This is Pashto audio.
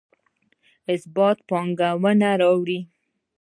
ثبات پانګونه راوړي